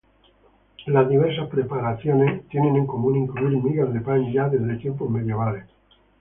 Las diversas preparaciones tienen en común incluir migas de pan ya desde tiempos medievales.